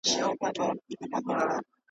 ډنبار ډېر نېستمن وو .